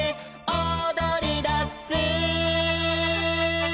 「おどりだす」